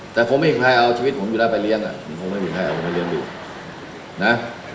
แต่ผมไม่ใครเอาชีวิตผมอยู่แล้วไปเลี้ยงผมไม่ใครเอาชีวิตผมไปเลี้ยงดู